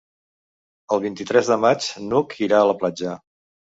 El vint-i-tres de maig n'Hug irà a la platja.